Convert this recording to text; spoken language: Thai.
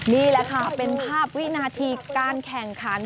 นี่แหละค่ะเป็นภาพวินาทีการแข่งขัน